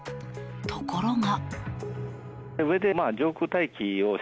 ところが。